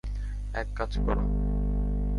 এক কাজ কর।